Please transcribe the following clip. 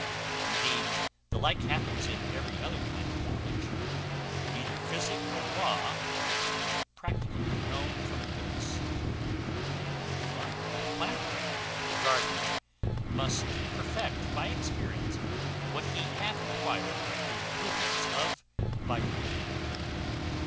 Indeed the like happens in every other kind of knowledge. Neither physic nor law are to be practically known from books. Nay, the farmer, the planter, the gardener, must perfect by experience what he hath acquired the rudiments of by reading.